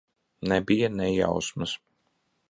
Nebija ne jausmas.